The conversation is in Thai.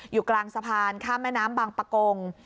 อยู่กลางสะพานข้ามแม่น้ำบางปะกง